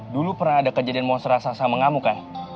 dulu pernah ada kejadian monster rasa asa mengamukan